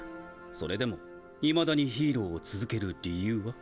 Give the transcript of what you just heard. それでもいまだにヒーローを続ける理由は？